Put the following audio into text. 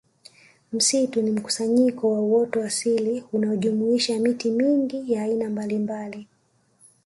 Msitu ni mkusanyiko wa uoto asilia unaojumuisha miti mingi ya aina mbalimbali